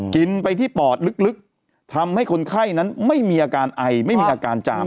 กินไปที่ปอดลึกทำให้คนไข้นั้นไม่มีอาการไอไม่มีอาการจาม